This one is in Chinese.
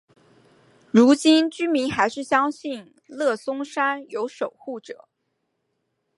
如今居民还是相信乐松山有守护者。